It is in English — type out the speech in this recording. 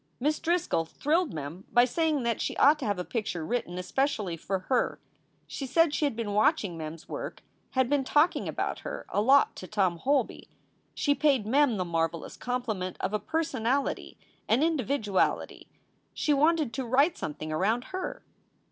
Miss Driscoll thrilled Mem by saying that she ought to have a picture written especially for her. She said she had been watching Mem s work, had been talking about her a lot to Tom Holby. She paid Mem the marvelous compli ment of a personality, an individuality. She wanted to write something "around her."